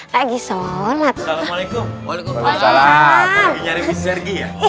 lagi nyari bisnis sergi ya